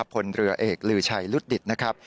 พลเรือเอกลือชัยลุดดิตนะครับ